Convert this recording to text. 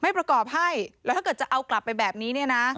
ประกอบให้แล้วถ้าเกิดจะเอากลับไปแบบนี้เนี่ยนะ